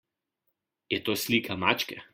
Je to slika mačke?